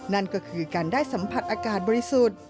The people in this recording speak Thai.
นั่นก็คือการได้สัมผัสอากาศบริสุทธิ์